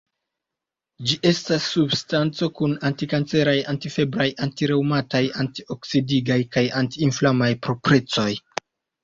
Ĝi estas substanco kun anti-kanceraj, anti-febraj, anti-reŭmataj, anti-oksidigaj kaj anti-inflamaj proprecoj.